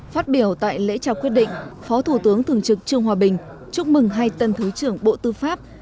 phát biểu tại lễ trao quyết định phó thủ tướng thường trực trương hòa bình chúc mừng hai tân thứ trưởng bộ tư pháp